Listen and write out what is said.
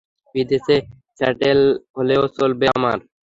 বিদেশে স্যাটেল হলেও চলবে আমার।